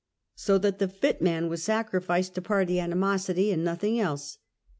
'' So that the fit man was sacrificed to party animosity and nothing else.